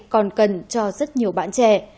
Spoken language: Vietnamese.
còn cần cho rất nhiều bạn trẻ